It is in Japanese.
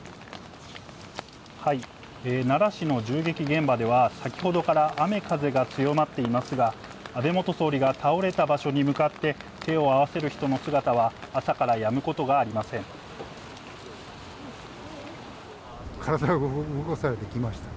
奈良市の銃撃現場では、先ほどから雨風が強まっていますが、安倍元総理が倒れた場所に向かって手を合わせる人の姿は、朝から体が動かされて来ました。